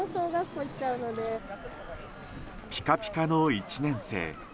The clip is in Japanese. ピカピカの１年生。